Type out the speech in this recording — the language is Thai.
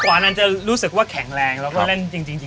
กวานอาจจะรู้สึกว่าแข็งแรงแล้วก็เล่นจริงจังได้